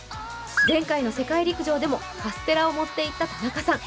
前回の世界陸上でもカステラを持っていった田中さん